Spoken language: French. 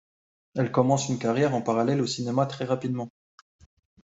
Elle commence une carrière en parallèle au cinéma très rapidement.